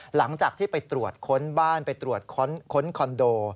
หลังจากที่ไปตรวจค้นบ้านไปตรวจค้นคอนโด